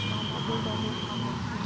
ada di surabaya